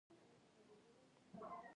اقلیم د افغان کورنیو د دودونو مهم عنصر دی.